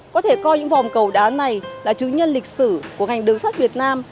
có thể coi những vòng cầu đá này là chứng nhân lịch sử của ngành đường sắt việt nam